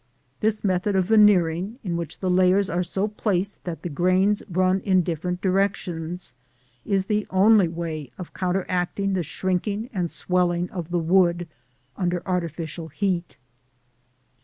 This method of veneering, in which the layers are so placed that the grain runs in different directions, is the only way of counteracting the shrinking and swelling of the wood under artificial heat.